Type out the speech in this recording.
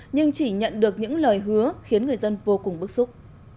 nhưng chỉ nhận được những lời hứa khiến người dân vô cùng bức xúc